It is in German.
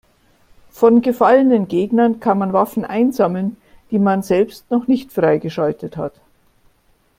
Von gefallenen Gegnern kann man Waffen einsammeln, die man selbst noch nicht freigeschaltet hat.